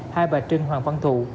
hai bà trưng hoàng văn thụ